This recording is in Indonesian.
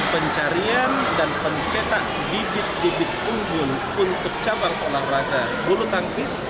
pencarian dan pencetak bibit bibit unggul untuk cabang olahraga bulu tangkis